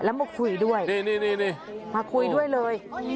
แล้วมาคุยด้วยนี่มาคุยด้วยเลย